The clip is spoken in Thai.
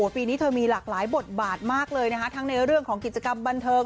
ปีนี้เธอมีหลากหลายบทบาทมากเลยนะคะทั้งในเรื่องของกิจกรรมบันเทิง